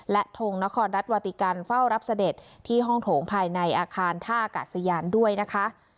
และทงนครรัฐวาติกันเฝ้ารับเสด็จที่ห้องโถงภายในอาคารท่าอากาศยานด้วยนะคะ